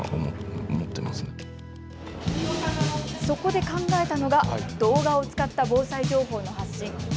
そこで考えたのが、動画を使った防災情報の発信。